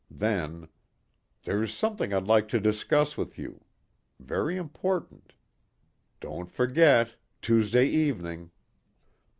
Then, "There's something I'd like to discuss with you. Very important. Don't forget. Tuesday evening."